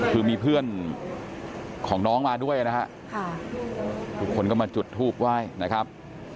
คือมีเพื่อนของน้องมาด้วยนะฮะทุกคนก็มาจุดทูบไหว้นะครับ